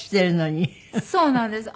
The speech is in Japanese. そうなんです。